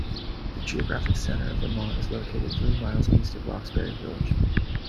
The geographic center of Vermont is located three miles east of Roxbury village.